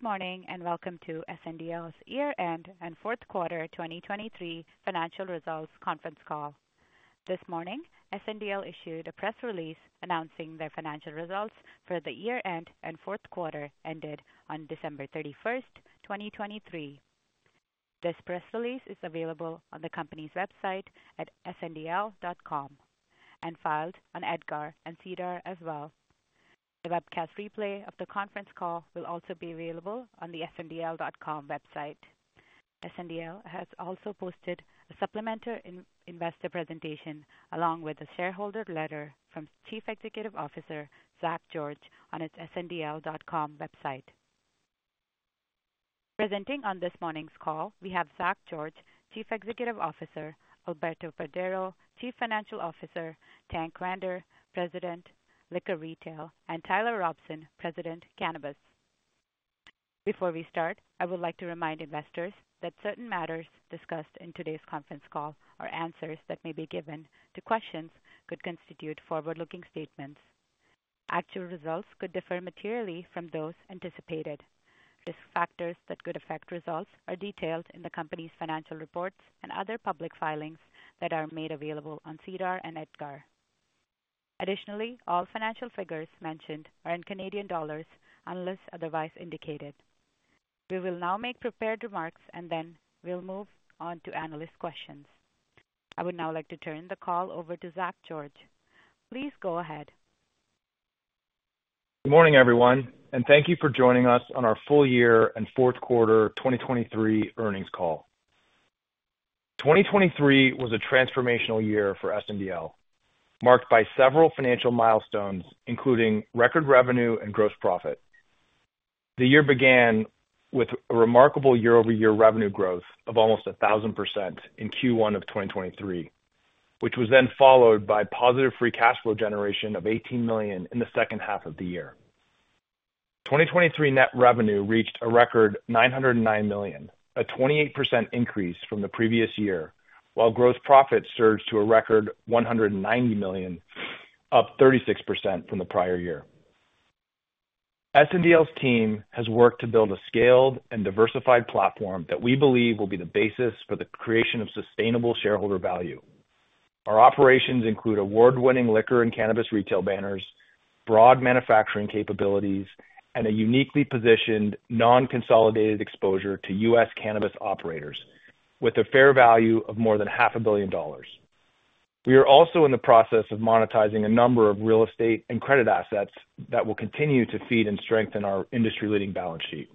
Good morning and welcome to SNDL's year-end and fourth quarter 2023 financial results conference call. This morning, SNDL issued a press release announcing their financial results for the year-end and fourth quarter ended on December 31st, 2023. This press release is available on the company's website at sndl.com and filed on EDGAR and SEDAR as well. The webcast replay of the conference call will also be available on the sndl.com website. SNDL has also posted a supplemental investor presentation along with a shareholder letter from Chief Executive Officer Zach George on its sndl.com website. Presenting on this morning's call, we have Zach George, Chief Executive Officer, Alberto Paredero, Chief Financial Officer, Tank Vander, President Liquor Retail, and Tyler Robson, President Cannabis. Before we start, I would like to remind investors that certain matters discussed in today's conference call or answers that may be given to questions could constitute forward-looking statements. Actual results could differ materially from those anticipated. Risk factors that could affect results are detailed in the company's financial reports and other public filings that are made available on SEDAR and EDGAR. Additionally, all financial figures mentioned are in Canadian dollars unless otherwise indicated. We will now make prepared remarks and then we'll move on to analyst questions. I would now like to turn the call over to Zachary George. Please go ahead. Good morning, everyone, and thank you for joining us on our full-year and fourth-quarter 2023 earnings call. 2023 was a transformational year for SNDL, marked by several financial milestones including record revenue and gross profit. The year began with a remarkable year-over-year revenue growth of almost 1,000% in Q1 of 2023, which was then followed by positive free cash flow generation of 18 million in the second half of the year. 2023 net revenue reached a record 909 million, a 28% increase from the previous year, while gross profit surged to a record 190 million, up 36% from the prior year. SNDL's team has worked to build a scaled and diversified platform that we believe will be the basis for the creation of sustainable shareholder value. Our operations include award-winning liquor and cannabis retail banners, broad manufacturing capabilities, and a uniquely positioned non-consolidated exposure to U.S. cannabis operators with a fair value of more than $500 million. We are also in the process of monetizing a number of real estate and credit assets that will continue to feed and strengthen our industry-leading balance sheet.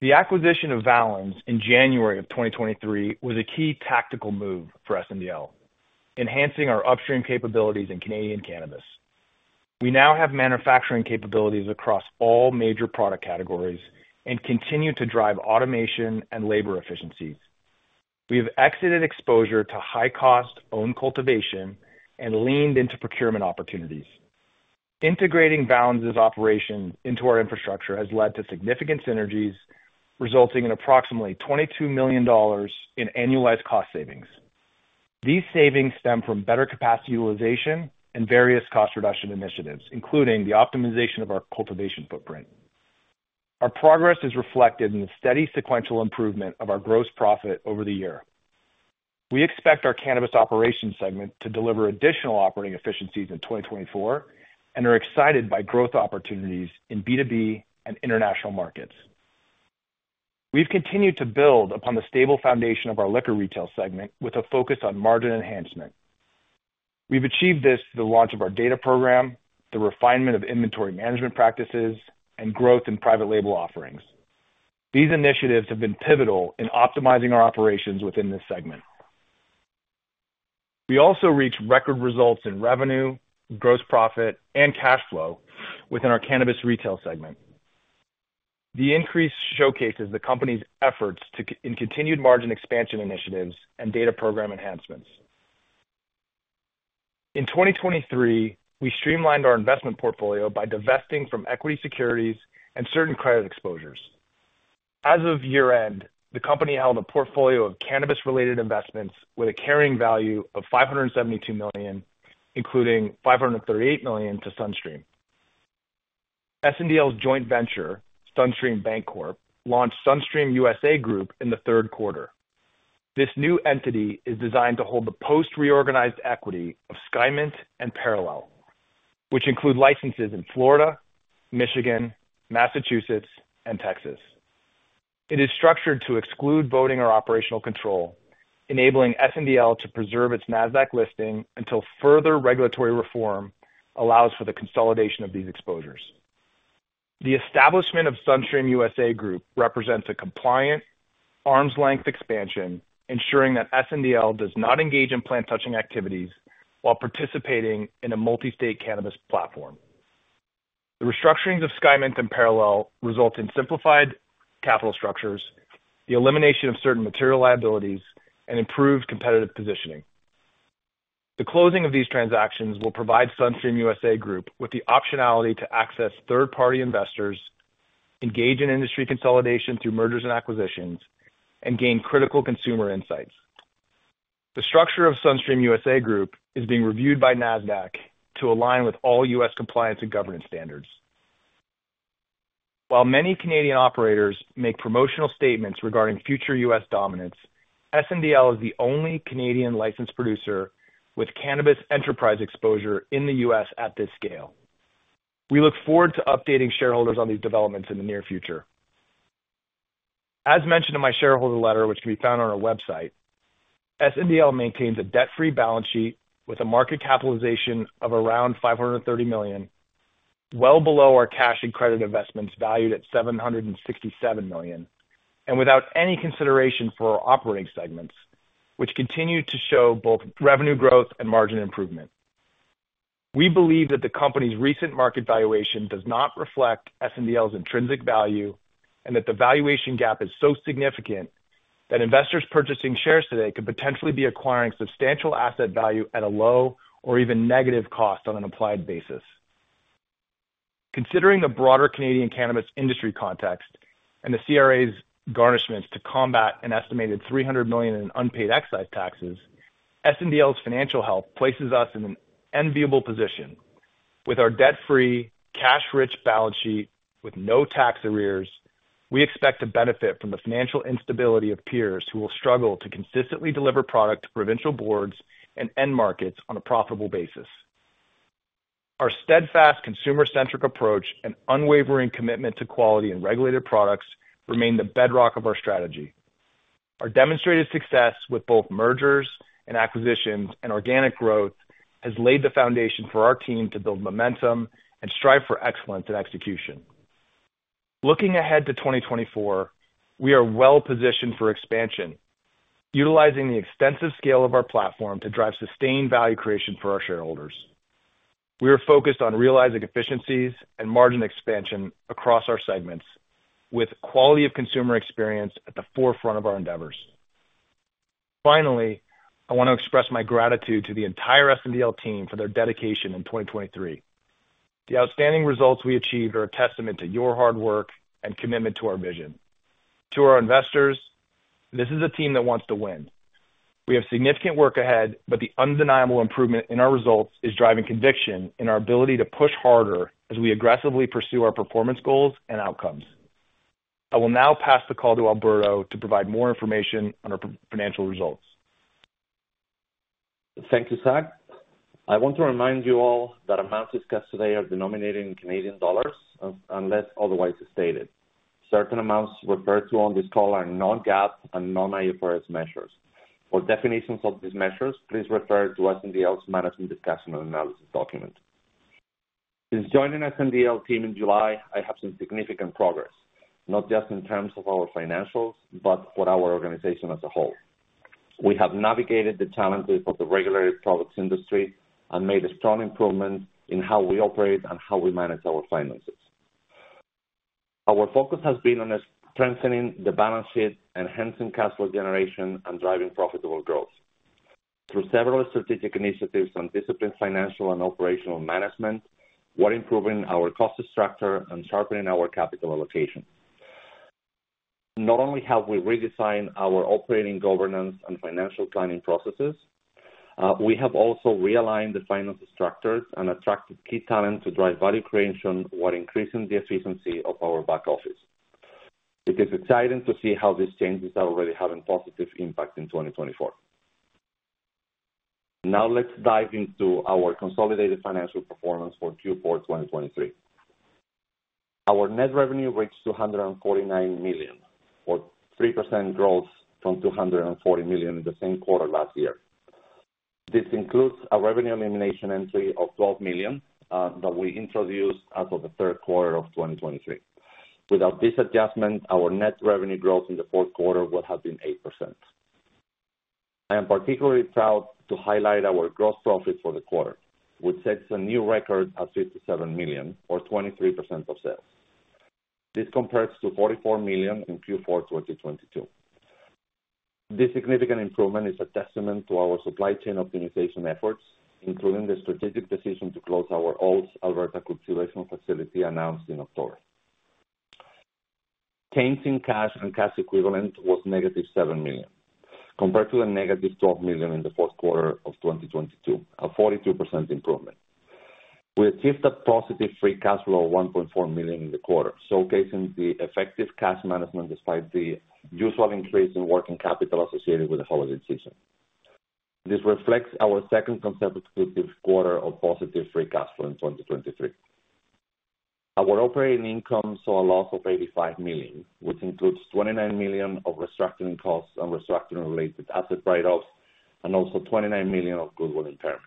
The acquisition of Valens in January of 2023 was a key tactical move for SNDL, enhancing our upstream capabilities in Canadian cannabis. We now have manufacturing capabilities across all major product categories and continue to drive automation and labor efficiencies. We have exited exposure to high-cost owned cultivation and leaned into procurement opportunities. Integrating Valens's operations into our infrastructure has led to significant synergies, resulting in approximately $22 million in annualized cost savings. These savings stem from better capacity utilization and various cost reduction initiatives, including the optimization of our cultivation footprint. Our progress is reflected in the steady sequential improvement of our gross profit over the year. We expect our cannabis operations segment to deliver additional operating efficiencies in 2024 and are excited by growth opportunities in B2B and international markets. We've continued to build upon the stable foundation of our liquor retail segment with a focus on margin enhancement. We've achieved this through the launch of our data program, the refinement of inventory management practices, and growth in private label offerings. These initiatives have been pivotal in optimizing our operations within this segment. We also reached record results in revenue, gross profit, and cash flow within our cannabis retail segment. The increase showcases the company's efforts in continued margin expansion initiatives and data program enhancements. In 2023, we streamlined our investment portfolio by divesting from equity securities and certain credit exposures. As of year-end, the company held a portfolio of cannabis-related investments with a carrying value of 572 million, including 538 million to Sunstream. SNDL's joint venture, Sunstream Bancorp, launched Sunstream USA Group in the third quarter. This new entity is designed to hold the post-reorganized equity of Skymint and Parallel, which include licenses in Florida, Michigan, Massachusetts, and Texas. It is structured to exclude voting or operational control, enabling SNDL to preserve its Nasdaq listing until further regulatory reform allows for the consolidation of these exposures. The establishment of Sunstream USA Group represents a compliant, arm's-length expansion, ensuring that SNDL does not engage in plant-touching activities while participating in a multi-state cannabis platform. The restructurings of Skymint and Parallel result in simplified capital structures, the elimination of certain material liabilities, and improved competitive positioning. The closing of these transactions will provide Sunstream USA Group with the optionality to access third-party investors, engage in industry consolidation through mergers and acquisitions, and gain critical consumer insights. The structure of Sunstream USA Group is being reviewed by Nasdaq to align with all U.S. compliance and governance standards. While many Canadian operators make promotional statements regarding future U.S. dominance, SNDL is the only Canadian licensed producer with cannabis enterprise exposure in the U.S. at this scale. We look forward to updating shareholders on these developments in the near future. As mentioned in my shareholder letter, which can be found on our website, SNDL maintains a debt-free balance sheet with a market capitalization of around 530 million, well below our cash and credit investments valued at 767 million, and without any consideration for our operating segments, which continue to show both revenue growth and margin improvement. We believe that the company's recent market valuation does not reflect SNDL's intrinsic value and that the valuation gap is so significant that investors purchasing shares today could potentially be acquiring substantial asset value at a low or even negative cost on an applied basis. Considering the broader Canadian cannabis industry context and the CRA's garnishments to combat an estimated 300 million in unpaid excise taxes, SNDL's financial health places us in an enviable position. With our debt-free, cash-rich balance sheet with no tax arrears, we expect to benefit from the financial instability of peers who will struggle to consistently deliver product to provincial boards and end markets on a profitable basis. Our steadfast consumer-centric approach and unwavering commitment to quality and regulated products remain the bedrock of our strategy. Our demonstrated success with both mergers and acquisitions and organic growth has laid the foundation for our team to build momentum and strive for excellence in execution. Looking ahead to 2024, we are well positioned for expansion, utilizing the extensive scale of our platform to drive sustained value creation for our shareholders. We are focused on realizing efficiencies and margin expansion across our segments, with quality of consumer experience at the forefront of our endeavors. Finally, I want to express my gratitude to the entire SNDL team for their dedication in 2023. The outstanding results we achieved are a testament to your hard work and commitment to our vision. To our investors, this is a team that wants to win. We have significant work ahead, but the undeniable improvement in our results is driving conviction in our ability to push harder as we aggressively pursue our performance goals and outcomes. I will now pass the call to Alberto to provide more information on our financial results. Thank you, Zach. I want to remind you all that amounts discussed today are denominated in Canadian dollars unless otherwise stated. Certain amounts referred to on this call are non-GAAP and non-IFRS measures. For definitions of these measures, please refer to SNDL's management discussion and analysis document. Since joining SNDL team in July, I have seen significant progress, not just in terms of our financials but for our organization as a whole. We have navigated the challenges of the regulated products industry and made a strong improvement in how we operate and how we manage our finances. Our focus has been on strengthening the balance sheet, enhancing cash flow generation, and driving profitable growth. Through several strategic initiatives on disciplined financial and operational management, we're improving our cost structure and sharpening our capital allocation. Not only have we redesigned our operating governance and financial planning processes, we have also realigned the financial structures and attracted key talent to drive value creation while increasing the efficiency of our back office. It is exciting to see how these changes already have a positive impact in 2024. Now let's dive into our consolidated financial performance for Q4 2023. Our net revenue reached 249 million, or 3% growth from 240 million in the same quarter last year. This includes a revenue elimination entry of 12 million that we introduced as of the third quarter of 2023. Without this adjustment, our net revenue growth in the fourth quarter would have been 8%. I am particularly proud to highlight our gross profit for the quarter, which sets a new record at 57 million, or 23% of sales. This compares to 44 million in Q4 2022. This significant improvement is a testament to our supply chain optimization efforts, including the strategic decision to close our Olds, Alberta cultivation facility announced in October. Change in cash and cash equivalent was negative 7 million, compared to the negative 12 million in the fourth quarter of 2022, a 42% improvement. We achieved a positive free cash flow of 1.4 million in the quarter, showcasing the effective cash management despite the usual increase in working capital associated with the holiday season. This reflects our second consecutive quarter of positive free cash flow in 2023. Our operating income saw a loss of 85 million, which includes 29 million of restructuring costs and restructuring-related asset write-offs, and also 29 million of goodwill impairments.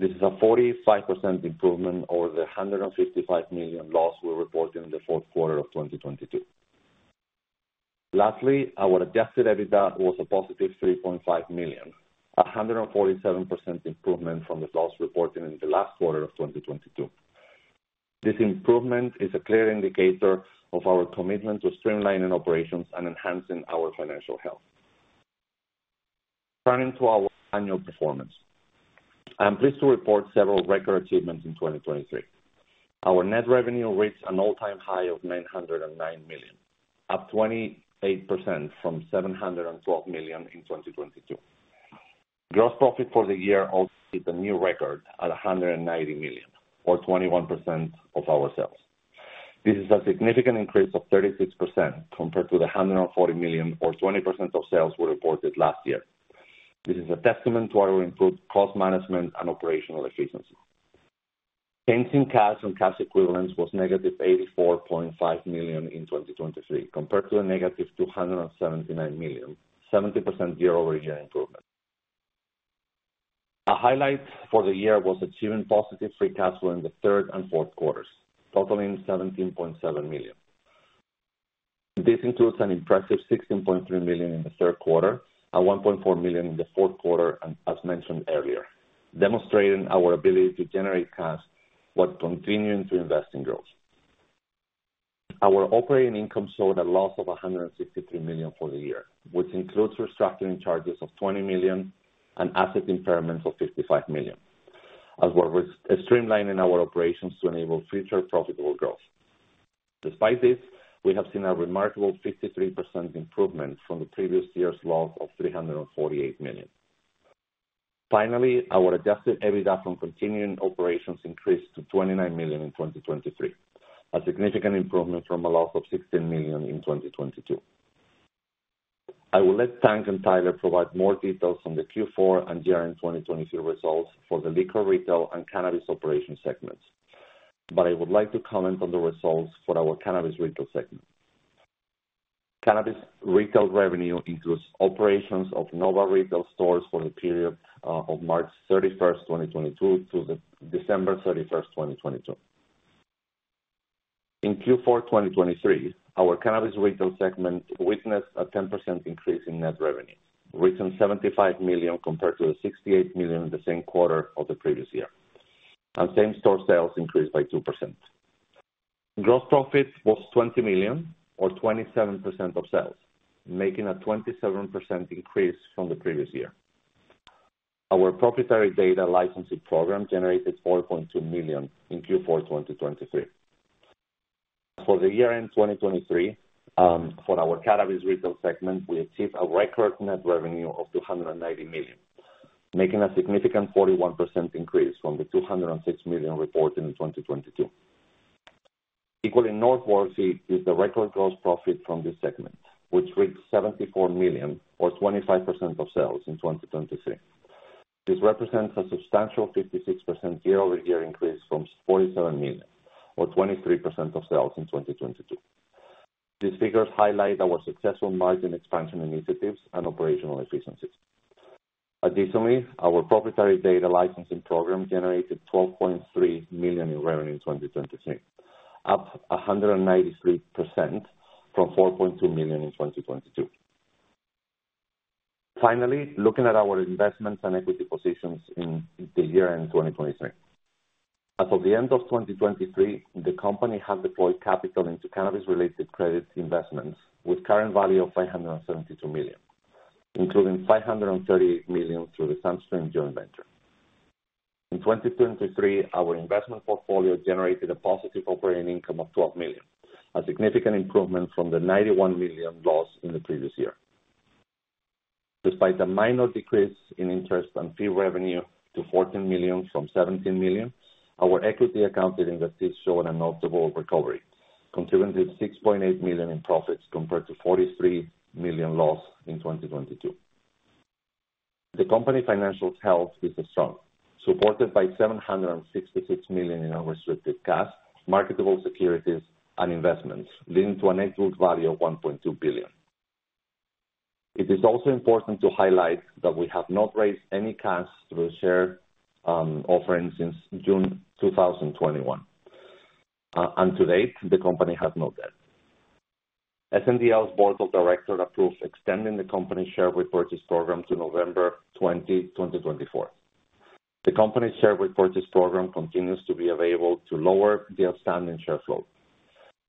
This is a 45% improvement over the 155 million loss we reported in the fourth quarter of 2022. Lastly, our Adjusted EBITDA was a positive 3.5 million, a 147% improvement from the loss reported in the last quarter of 2022. This improvement is a clear indicator of our commitment to streamlining operations and enhancing our financial health. Turning to our annual performance, I am pleased to report several record achievements in 2023. Our Net Revenue reached an all-time high of 909 million, up 28% from 712 million in 2022. Gross Profit for the year also hit a new record at 190 million, or 21% of our sales. This is a significant increase of 36% compared to the 140 million, or 20% of sales we reported last year. This is a testament to our improved cost management and operational efficiency. Change in cash and cash equivalent was -84.5 million in 2023, compared to -279 million, 70% year-over-year improvement. A highlight for the year was achieving positive Free Cash Flow in the third and fourth quarters, totaling 17.7 million. This includes an impressive 16.3 million in the third quarter, 1.4 million in the fourth quarter, as mentioned earlier, demonstrating our ability to generate cash while continuing to invest in growth. Our operating income saw a loss of 163 million for the year, which includes restructuring charges of 20 million and asset impairments of 55 million, as well as streamlining our operations to enable future profitable growth. Despite this, we have seen a remarkable 53% improvement from the previous year's loss of 348 million. Finally, our Adjusted EBITDA from continuing operations increased to 29 million in 2023, a significant improvement from a loss of 16 million in 2022. I will let Tank and Tyler provide more details on the Q4 and year-end 2023 results for the liquor retail and cannabis operations segments, but I would like to comment on the results for our cannabis retail segment. Cannabis retail revenue includes operations of Nova retail stores for the period of March 31st, 2022, to December 31st, 2022. In Q4 2023, our cannabis retail segment witnessed a 10% increase in net revenue, reaching 75 million compared to the 68 million in the same quarter of the previous year, and same-store sales increased by 2%. Gross profit was 20 million, or 27% of sales, making a 27% increase from the previous year. Our proprietary data licensing program generated 4.2 million in Q4 2023. For the year-end 2023, for our cannabis retail segment, we achieved a record net revenue of 290 million, making a significant 41% increase from the 206 million reported in 2022. Equally northward, we see the record gross profit from this segment, which reached 74 million, or 25% of sales in 2023. This represents a substantial 56% year-over-year increase from 47 million, or 23% of sales in 2022. These figures highlight our successful margin expansion initiatives and operational efficiencies. Additionally, our proprietary data licensing program generated 12.3 million in revenue in 2023, up 193% from 4.2 million in 2022. Finally, looking at our investments and equity positions in the year-end 2023, as of the end of 2023, the company had deployed capital into cannabis-related credit investments with current value of 572 million, including 538 million through the Sunstream joint venture. In 2023, our investment portfolio generated a positive operating income of 12 million, a significant improvement from the 91 million loss in the previous year. Despite a minor decrease in interest and fee revenue to 14 million from 17 million, our equity accounted investees showed a notable recovery, contributing 6.8 million in profits compared to 43 million loss in 2022. The company financial health is strong, supported by 766 million in unrestricted cash, marketable securities, and investments, leading to a net book value of 1.2 billion. It is also important to highlight that we have not raised any cash through share offering since June 2021, and to date, the company has no debt. SNDL's board of directors approved extending the company's share repurchase program to November 20, 2024. The company's share repurchase program continues to be available to lower the outstanding share float.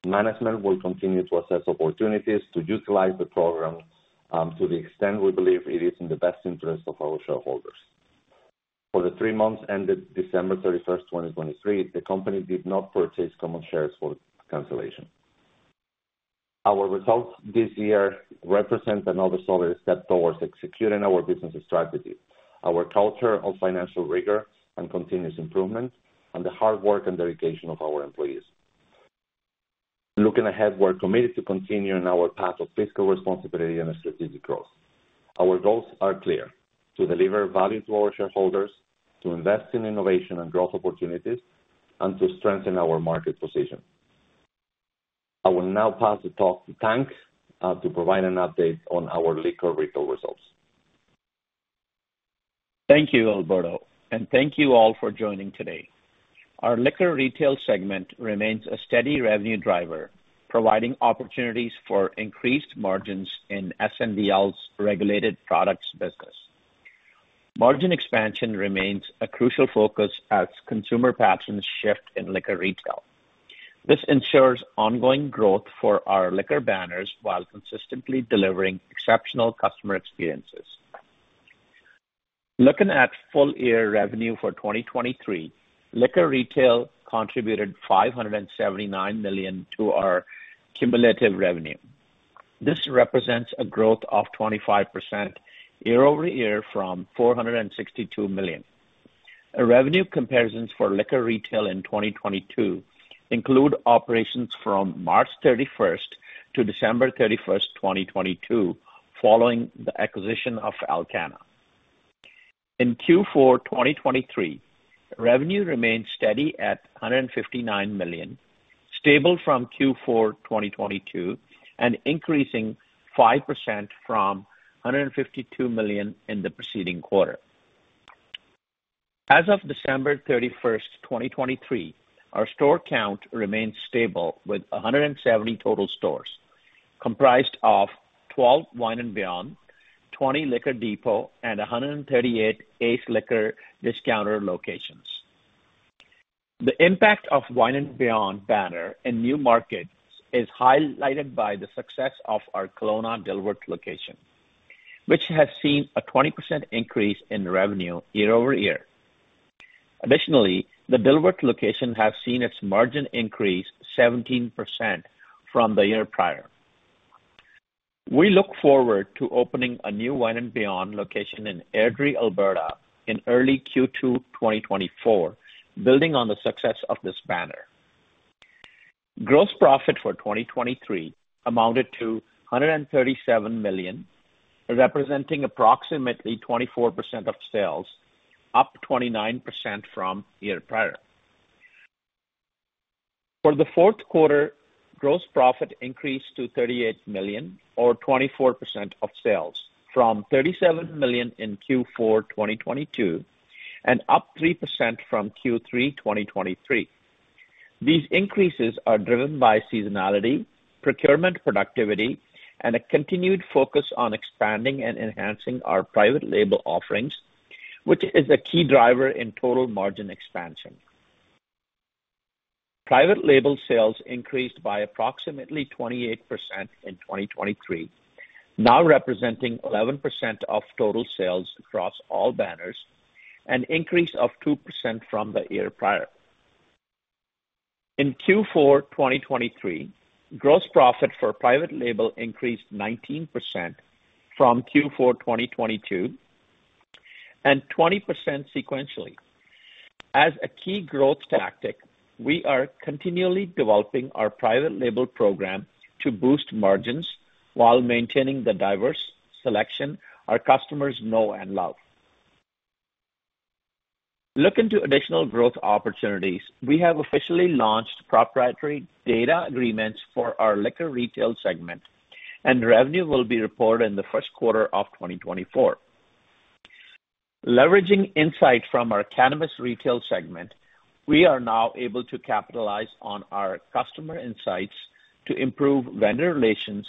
Management will continue to assess opportunities to utilize the program to the extent we believe it is in the best interest of our shareholders. For the three months ended December 31st, 2023, the company did not purchase common shares for cancellation. Our results this year represent another solid step towards executing our business strategy, our culture of financial rigor and continuous improvement, and the hard work and dedication of our employees. Looking ahead, we're committed to continue in our path of fiscal responsibility and strategic growth. Our goals are clear: to deliver value to our shareholders, to invest in innovation and growth opportunities, and to strengthen our market position. I will now pass the talk to Tank to provide an update on our liquor retail results. Thank you, Alberto, and thank you all for joining today. Our liquor retail segment remains a steady revenue driver, providing opportunities for increased margins in SNDL's regulated products business. Margin expansion remains a crucial focus as consumer patterns shift in liquor retail. This ensures ongoing growth for our liquor banners while consistently delivering exceptional customer experiences. Looking at full-year revenue for 2023, liquor retail contributed 579 million to our cumulative revenue. This represents a growth of 25% year-over-year from 462 million. Revenue comparisons for liquor retail in 2022 include operations from March 31st to December 31st, 2022, following the acquisition of Alcanna. In Q4 2023, revenue remained steady at 159 million, stable from Q4 2022, and increasing 5% from 152 million in the preceding quarter. As of December 31st, 2023, our store count remains stable with 170 total stores, comprised of 12 Wine & Beyond, 20 Liquor Depot, and 138 Ace Liquor Discounter locations. The impact of Wine & Beyond banner in new markets is highlighted by the success of our Kelowna Dilworth location, which has seen a 20% increase in revenue year-over-year. Additionally, the Dilworth location has seen its margin increase 17% from the year prior. We look forward to opening a new Wine & Beyond location in Airdrie, Alberta, in early Q2 2024, building on the success of this banner. Gross profit for 2023 amounted to 137 million, representing approximately 24% of sales, up 29% from year prior. For the fourth quarter, gross profit increased to 38 million, or 24% of sales, from 37 million in Q4 2022 and up 3% from Q3 2023. These increases are driven by seasonality, procurement productivity, and a continued focus on expanding and enhancing our private label offerings, which is a key driver in total margin expansion. Private label sales increased by approximately 28% in 2023, now representing 11% of total sales across all banners, an increase of 2% from the year prior. In Q4 2023, gross profit for private label increased 19% from Q4 2022 and 20% sequentially. As a key growth tactic, we are continually developing our private label program to boost margins while maintaining the diverse selection our customers know and love. Looking to additional growth opportunities, we have officially launched proprietary data agreements for our liquor retail segment, and revenue will be reported in the first quarter of 2024. Leveraging insight from our cannabis retail segment, we are now able to capitalize on our customer insights to improve vendor relations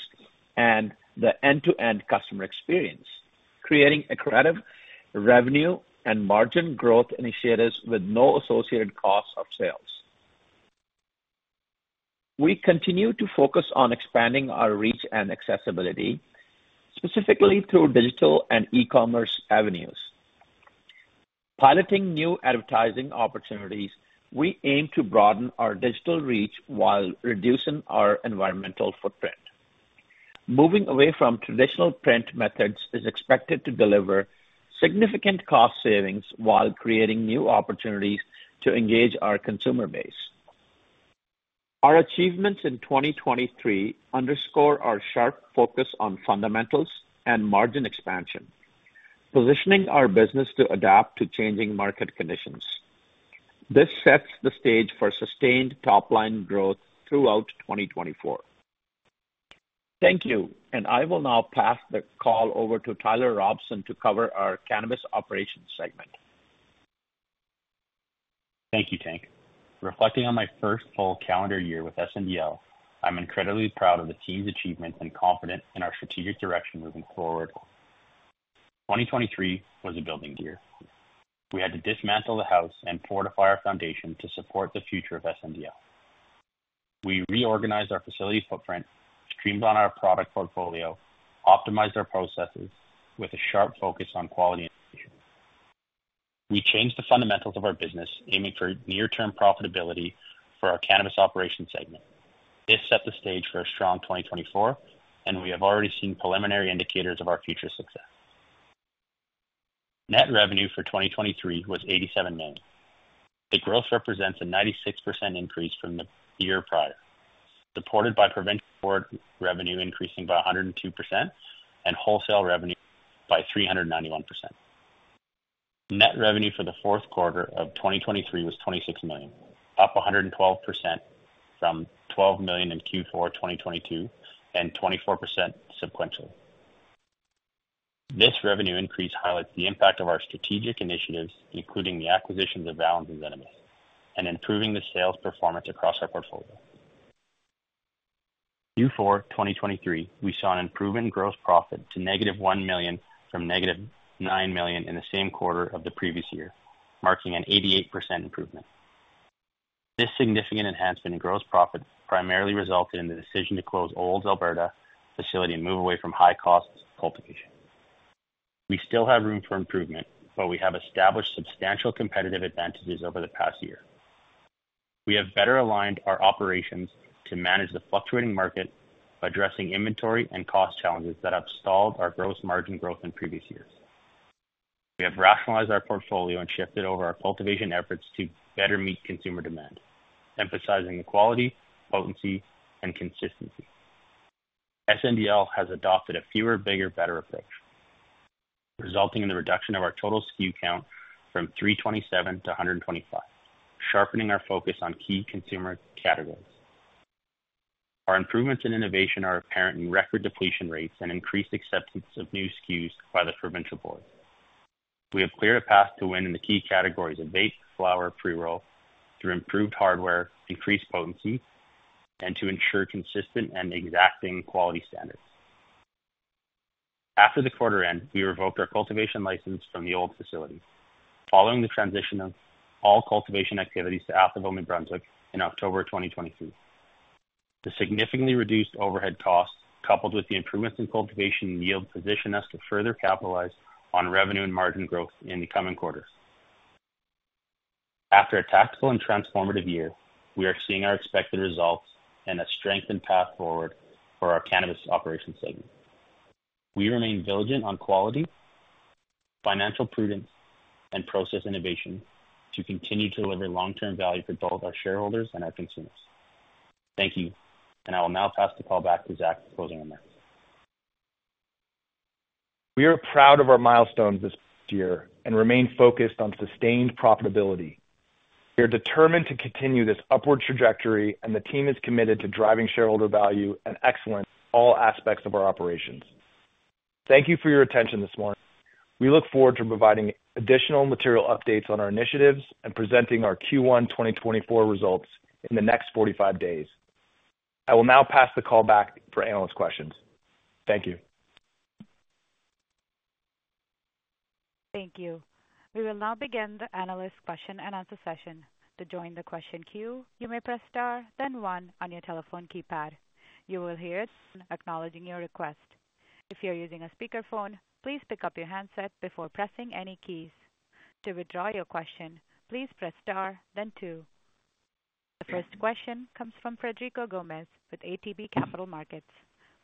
and the end-to-end customer experience, creating accretive revenue and margin growth initiatives with no associated costs of sales. We continue to focus on expanding our reach and accessibility, specifically through digital and e-commerce avenues. Piloting new advertising opportunities, we aim to broaden our digital reach while reducing our environmental footprint. Moving away from traditional print methods is expected to deliver significant cost savings while creating new opportunities to engage our consumer base. Our achievements in 2023 underscore our sharp focus on fundamentals and margin expansion, positioning our business to adapt to changing market conditions. This sets the stage for sustained top-line growth throughout 2024. Thank you, and I will now pass the call over to Tyler Robson to cover our cannabis operations segment. Thank you, Tank. Reflecting on my first full calendar year with SNDL, I'm incredibly proud of the team's achievements and confident in our strategic direction moving forward. 2023 was a building year. We had to dismantle the house and fortify our foundation to support the future of SNDL. We reorganized our facility footprint, streamlined our product portfolio, optimized our processes with a sharp focus on quality and efficiency. We changed the fundamentals of our business, aiming for near-term profitability for our cannabis operations segment. This set the stage for a strong 2024, and we have already seen preliminary indicators of our future success. Net Revenue for 2023 was 87 million. The growth represents a 96% increase from the year prior, supported by provincial board revenue increasing by 102% and wholesale revenue by 391%. Net revenue for the fourth quarter of 2023 was $26 million, up 112% from $12 million in Q4 2022 and 24% sequentially. This revenue increase highlights the impact of our strategic initiatives, including the acquisitions of Valens and Zenabis, and improving the sales performance across our portfolio. Q4 2023, we saw an improvement in gross profit to -$1 million from -$9 million in the same quarter of the previous year, marking an 88% improvement. This significant enhancement in gross profit primarily resulted in the decision to close Olds, Alberta facility and move away from high-cost cultivation. We still have room for improvement, but we have established substantial competitive advantages over the past year. We have better aligned our operations to manage the fluctuating market, addressing inventory and cost challenges that have stalled our gross margin growth in previous years. We have rationalized our portfolio and shifted over our cultivation efforts to better meet consumer demand, emphasizing the quality, potency, and consistency. SNDL has adopted a fewer-bigger-better approach, resulting in the reduction of our total SKU count from 327 to 125, sharpening our focus on key consumer categories. Our improvements in innovation are apparent in record depletion rates and increased acceptance of new SKUs by the provincial boards. We have cleared a path to win in the key categories of vape, flower, pre-roll through improved hardware, increased potency, and to ensure consistent and exacting quality standards. After the quarter end, we revoked our cultivation license from the Olds facility, following the transition of all cultivation activities to Atholville, New Brunswick, in October 2023. The significantly reduced overhead costs, coupled with the improvements in cultivation and yield, position us to further capitalize on revenue and margin growth in the coming quarters. After a tactical and transformative year, we are seeing our expected results and a strengthened path forward for our cannabis operations segment. We remain diligent on quality, financial prudence, and process innovation to continue to deliver long-term value for both our shareholders and our consumers. Thank you, and I will now pass the call back to Zach for closing remarks. We are proud of our milestones this year and remain focused on sustained profitability. We are determined to continue this upward trajectory, and the team is committed to driving shareholder value and excellence in all aspects of our operations. Thank you for your attention this morning. We look forward to providing additional material updates on our initiatives and presenting our Q1 2024 results in the next 45 days. I will now pass the call back for analyst questions. Thank you. Thank you. We will now begin the analyst question-and-answer session. To join the question queue, you may press star, then 1 on your telephone keypad. You will hear it acknowledging your request. If you are using a speakerphone, please pick up your handset before pressing any keys. To withdraw your question, please press star, then 2. The first question comes from Frederico Gomez with ATB Capital Markets.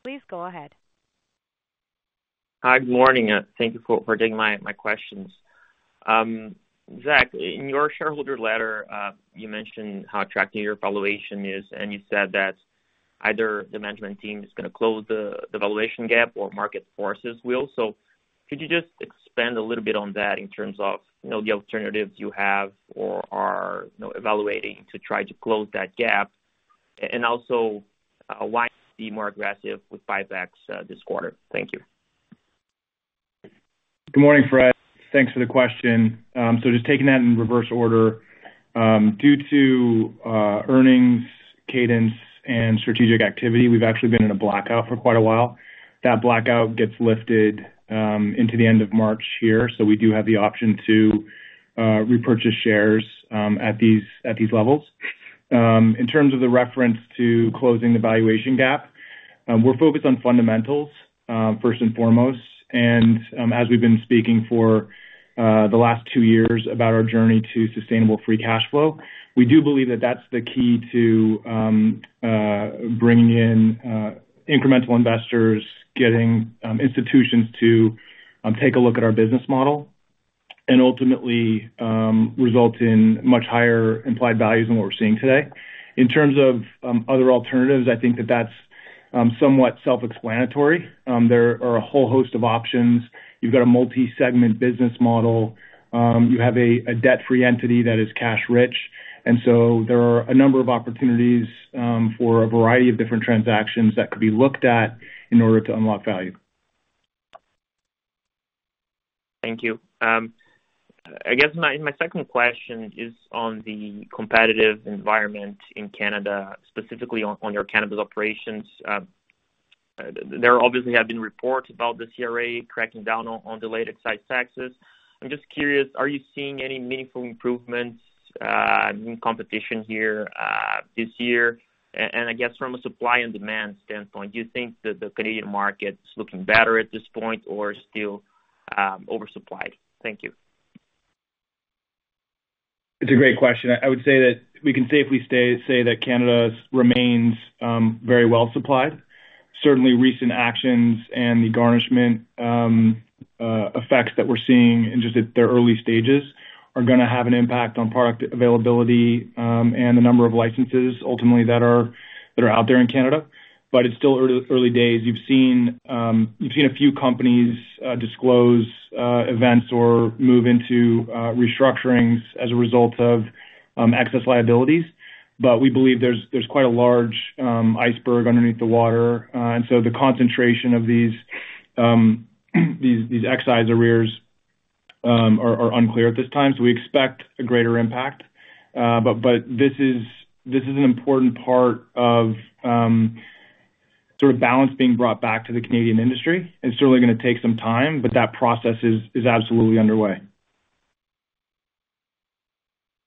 Please go ahead. Hi, good morning. Thank you for taking my questions. Zach, in your shareholder letter, you mentioned how attractive your valuation is, and you said that either the management team is going to close the valuation gap or market forces will. So could you just expand a little bit on that in terms of the alternatives you have or are evaluating to try to close that gap, and also why be more aggressive with buybacks this quarter? Thank you. Good morning, Fred. Thanks for the question. So just taking that in reverse order, due to earnings cadence and strategic activity, we've actually been in a blackout for quite a while. That blackout gets lifted into the end of March here, so we do have the option to repurchase shares at these levels. In terms of the reference to closing the valuation gap, we're focused on fundamentals, first and foremost. And as we've been speaking for the last two years about our journey to sustainable free cash flow, we do believe that that's the key to bringing in incremental investors, getting institutions to take a look at our business model, and ultimately result in much higher implied values than what we're seeing today. In terms of other alternatives, I think that that's somewhat self-explanatory. There are a whole host of options. You've got a multi-segment business model. You have a debt-free entity that is cash-rich. There are a number of opportunities for a variety of different transactions that could be looked at in order to unlock value. Thank you. I guess my second question is on the competitive environment in Canada, specifically on your cannabis operations. There obviously have been reports about the CRA cracking down on delayed excise taxes. I'm just curious, are you seeing any meaningful improvements in competition here this year? And I guess from a supply and demand standpoint, do you think the Canadian market is looking better at this point or still oversupplied? Thank you. It's a great question. I would say that we can safely say that Canada remains very well supplied. Certainly, recent actions and the garnishment effects that we're seeing in just their early stages are going to have an impact on product availability and the number of licenses, ultimately, that are out there in Canada. But it's still early days. You've seen a few companies disclose events or move into restructurings as a result of excess liabilities. But we believe there's quite a large iceberg underneath the water. And so the concentration of these excise arrears are unclear at this time. So we expect a greater impact. But this is an important part of sort of balance being brought back to the Canadian industry. It's certainly going to take some time, but that process is absolutely underway.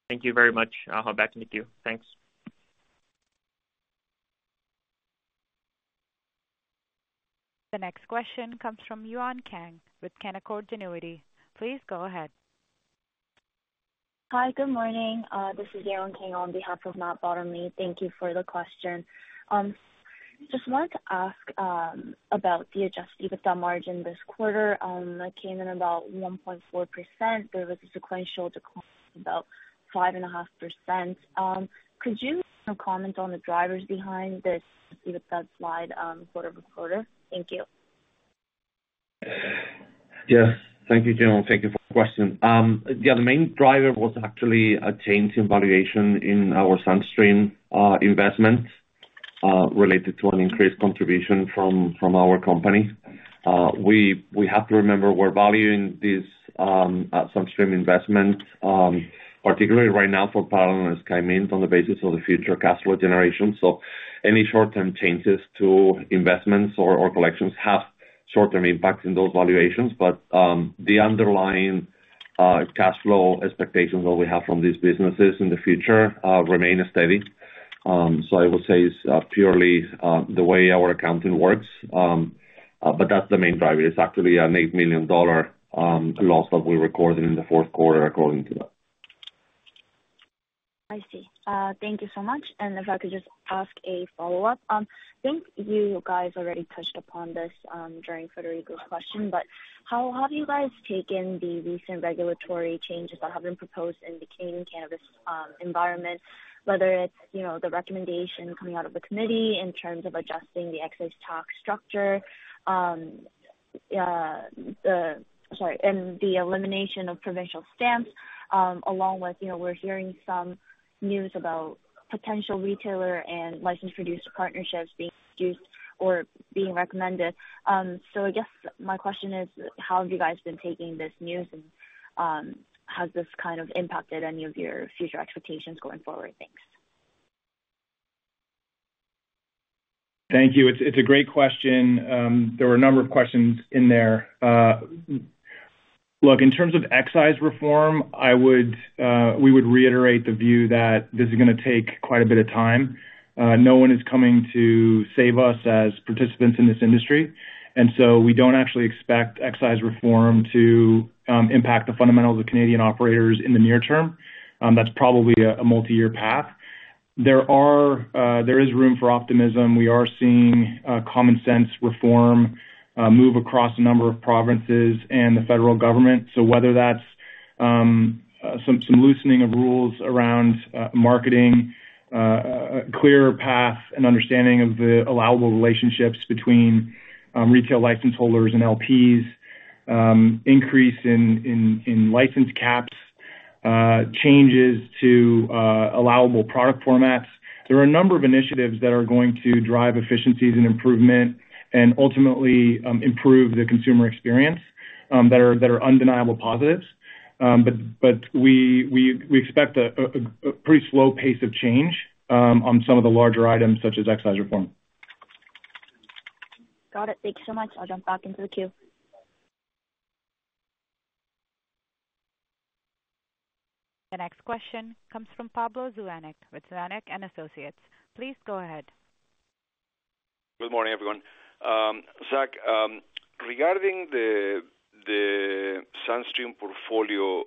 Thank you very much. I'll hold back and thank you. Thanks. The next question comes from Yewon Kang with Canaccord Genuity. Please go ahead. Hi, good morning. This is Yewon Kang on behalf of Matt Bottomley. Thank you for the question. Just wanted to ask about the Adjusted EBITDA margin this quarter. It came in about 1.4%. There was a sequential decline of about 5.5%. Could you comment on the drivers behind this EBITDA slide quarter for quarter? Thank you. Yes. Thank you, Jim. Thank you for the question. Yeah, the main driver was actually a change in valuation in our Sunstream investment related to an increased contribution from our company. We have to remember we're valuing this Sunstream investment, particularly right now for Parallel and Skymint on the basis of the future cash flow generation. So any short-term changes to investments or collections have short-term impacts in those valuations. But the underlying cash flow expectations that we have from these businesses in the future remain steady. So I would say it's purely the way our accounting works. But that's the main driver. It's actually an $8 million loss that we're recording in the fourth quarter according to that. I see. Thank you so much. If I could just ask a follow-up, I think you guys already touched upon this during Frederico's question, but how have you guys taken the recent regulatory changes that have been proposed in the Canadian cannabis environment, whether it's the recommendation coming out of the committee in terms of adjusting the excise tax structure? Sorry, and the elimination of provincial stamps, along with we're hearing some news about potential retailer and license-producer partnerships being introduced or being recommended. So I guess my question is, how have you guys been taking this news, and has this kind of impacted any of your future expectations going forward? Thanks. Thank you. It's a great question. There were a number of questions in there. Look, in terms of excise reform, we would reiterate the view that this is going to take quite a bit of time. No one is coming to save us as participants in this industry. And so we don't actually expect excise reform to impact the fundamentals of Canadian operators in the near term. That's probably a multi-year path. There is room for optimism. We are seeing common sense reform move across a number of provinces and the federal government. So whether that's some loosening of rules around marketing, a clearer path, an understanding of the allowable relationships between retail license holders and LPs, increase in license caps, changes to allowable product formats, there are a number of initiatives that are going to drive efficiencies and improvement and ultimately improve the consumer experience that are undeniable positives. But we expect a pretty slow pace of change on some of the larger items such as excise reform. Got it. Thanks so much. I'll jump back into the queue. The next question comes from Pablo Zuanich with Zuanich & Associates. Please go ahead. Good morning, everyone. Zach, regarding the Sunstream portfolio,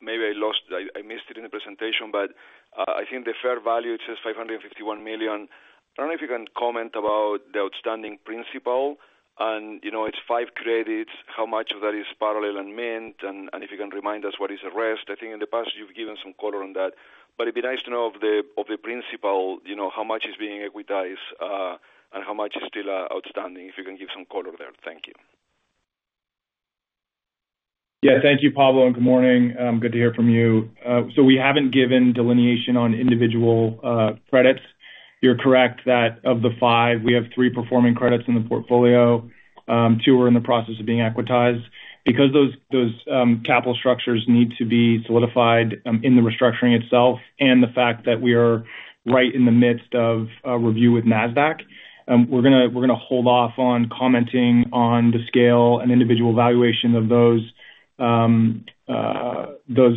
maybe I missed it in the presentation, but I think the fair value it says $551 million. I don't know if you can comment about the outstanding principal. And it's five credits. How much of that is Parallel and Skymint? And if you can remind us what is the rest. I think in the past, you've given some color on that. But it'd be nice to know of the principal, how much is being equitized and how much is still outstanding, if you can give some color there. Thank you. Yeah. Thank you, Pablo, and good morning. Good to hear from you. So we haven't given delineation on individual credits. You're correct that of the five, we have three performing credits in the portfolio. Two are in the process of being equitized. Because those capital structures need to be solidified in the restructuring itself and the fact that we are right in the midst of review with Nasdaq, we're going to hold off on commenting on the scale and individual valuation of those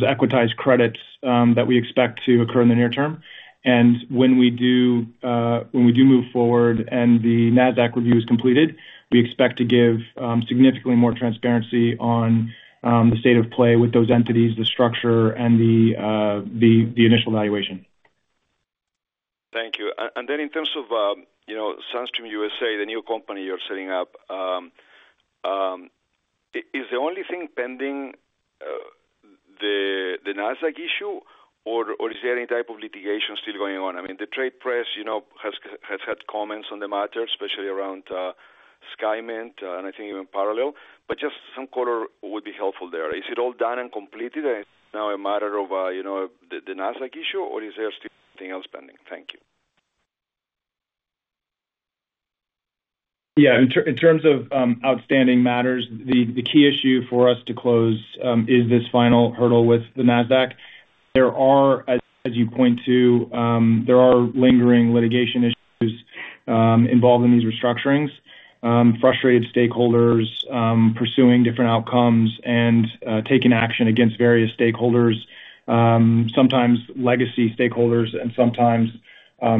equitized credits that we expect to occur in the near term. And when we do move forward and the Nasdaq review is completed, we expect to give significantly more transparency on the state of play with those entities, the structure, and the initial valuation. Thank you. And then in terms of Sunstream USA, the new company you're setting up, is the only thing pending the Nasdaq issue, or is there any type of litigation still going on? I mean, the trade press has had comments on the matter, especially around Skymint and I think even Parallel. But just some color would be helpful there. Is it all done and completed? And is it now a matter of the Nasdaq issue, or is there still something else pending? Thank you. Yeah. In terms of outstanding matters, the key issue for us to close is this final hurdle with the Nasdaq. As you point to, there are lingering litigation issues involved in these restructurings, frustrated stakeholders pursuing different outcomes, and taking action against various stakeholders, sometimes legacy stakeholders and sometimes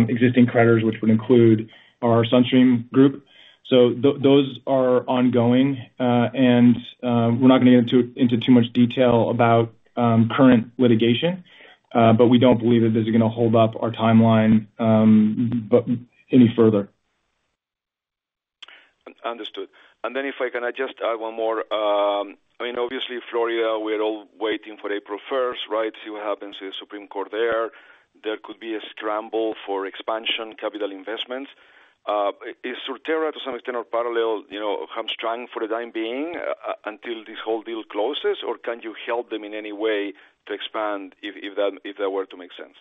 existing creditors, which would include our Sunstream group. Those are ongoing. We're not going to get into too much detail about current litigation, but we don't believe that this is going to hold up our timeline any further. Understood. If I can ask one more, I mean, obviously, Florida, we're all waiting for April 1st, right? See what happens with the Supreme Court there. There could be a scramble for expansion capital investments. Is Curaleaf, to some extent, or Parallel hamstrung for the time being until this whole deal closes, or can you help them in any way to expand if that were to make sense?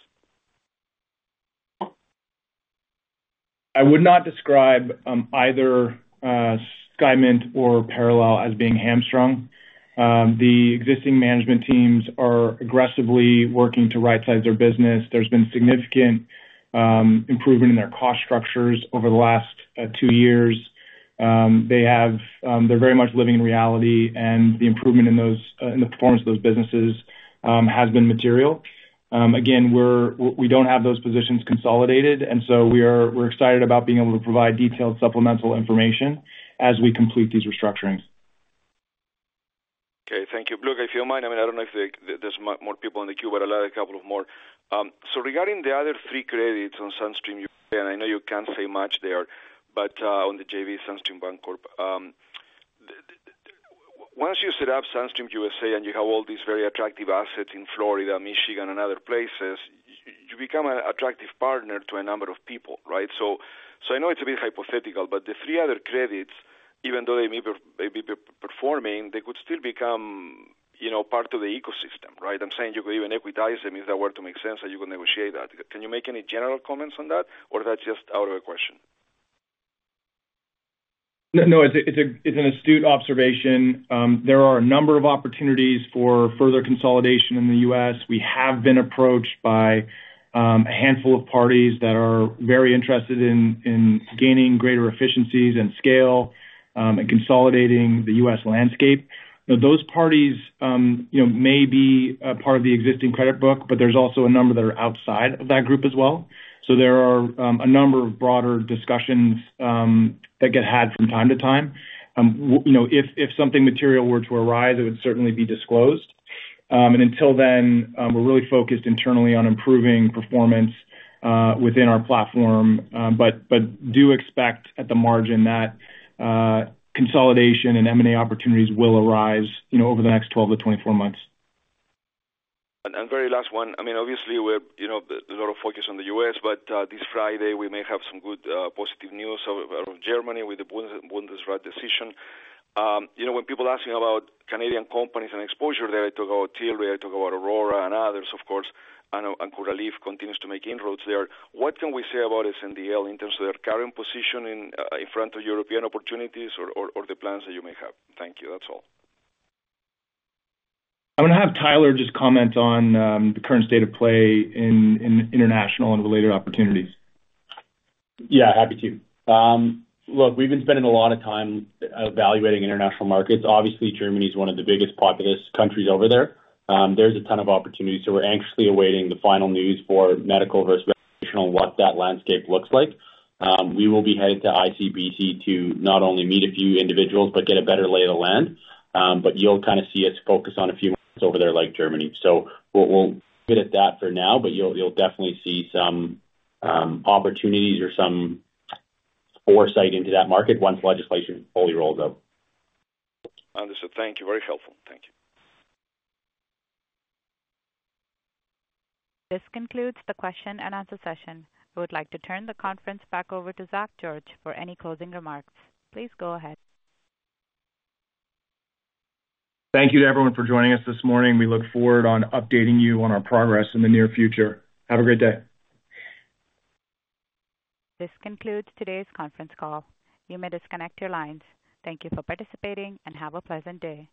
I would not describe either Skymint or Parallel as being hamstrung. The existing management teams are aggressively working to right-size their business. There's been significant improvement in their cost structures over the last two years. They're very much living in reality, and the improvement in the performance of those businesses has been material. Again, we don't have those positions consolidated, and so we're excited about being able to provide detailed supplemental information as we complete these restructurings. Okay. Thank you. Look, if you don't mind, I mean, I don't know if there's more people in the queue, but I'll add a couple of more. So regarding the other three credits on Sunstream USA and I know you can't say much there but on the JV Sunstream Bancorp, once you set up Sunstream USA and you have all these very attractive assets in Florida, Michigan, and other places, you become an attractive partner to a number of people, right? So I know it's a bit hypothetical, but the three other credits, even though they may be performing, they could still become part of the ecosystem, right? I'm saying you could even equitize them if that were to make sense and you could negotiate that. Can you make any general comments on that, or that's just out of the question? No. It's an astute observation. There are a number of opportunities for further consolidation in the U.S. We have been approached by a handful of parties that are very interested in gaining greater efficiencies and scale and consolidating the U.S. landscape. Now, those parties may be part of the existing credit book, but there's also a number that are outside of that group as well. So there are a number of broader discussions that get had from time to time. If something material were to arise, it would certainly be disclosed. Until then, we're really focused internally on improving performance within our platform but do expect at the margin that consolidation and M&A opportunities will arise over the next 12-24 months. And very last one. I mean, obviously, there's a lot of focus on the U.S., but this Friday, we may have some good positive news out of Germany with the Bundesrat decision. When people ask me about Canadian companies and exposure there, I talk about Tyler, I talk about Aurora and others, of course, and Curaleaf continues to make inroads there. What can we say about SNDL in terms of their current position in front of European opportunities or the plans that you may have? Thank you. That's all. I'm going to have Tyler just comment on the current state of play in international and related opportunities. Yeah. Happy to. Look, we've been spending a lot of time evaluating international markets. Obviously, Germany is one of the biggest populous countries over there. There's a ton of opportunities. So we're anxiously awaiting the final news for medical versus recreational on what that landscape looks like. We will be headed to ICBC to not only meet a few individuals but get a better lay of the land. But you'll kind of see us focus on a few more over there like Germany. So we'll get at that for now, but you'll definitely see some opportunities or some foresight into that market once legislation fully rolls out. Understood. Thank you. Very helpful. Thank you. This concludes the question-and-answer session. I would like to turn the conference back over to Zach George for any closing remarks. Please go ahead. Thank you to everyone for joining us this morning. We look forward to updating you on our progress in the near future. Have a great day. This concludes today's conference call. You may disconnect your lines. Thank you for participating, and have a pleasant day.